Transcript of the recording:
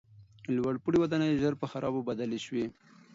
لوړپوړي ودانۍ ژر په خرابو بدلې سوې.